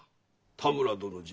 多村殿じゃ。